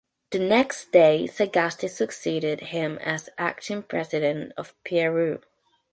The next day Sagasti succeeded him as acting President of Peru.